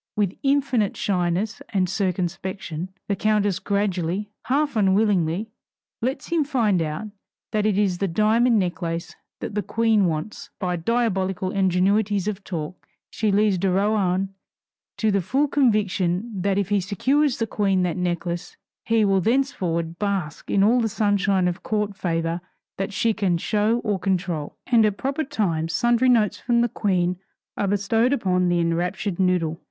With infinite shyness and circumspection, the countess gradually, half unwillingly, lets him find out that it is the diamond necklace that the Queen wants. By diabolical ingenuities of talk she leads de Rohan to the full conviction that if he secures the Queen that necklace, he will thenceforward bask in all the sunshine of court favor that she can show or control. And at proper times sundry notes from the Queen are bestowed upon the enraptured noodle.